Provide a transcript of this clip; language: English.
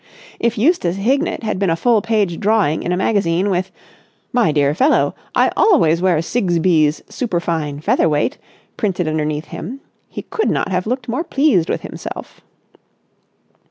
If Eustace Hignett had been a full page drawing in a magazine with "My dear fellow, I always wear Sigsbee's Super fine Featherweight!" printed underneath him, he could not have looked more pleased with himself.